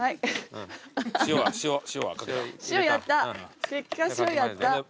塩やった。